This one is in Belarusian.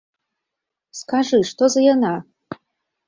Скажы, што за яна!